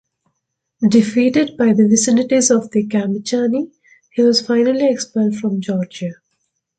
Defeated in the vicinities of Kambechani, he was finally expelled from Georgia.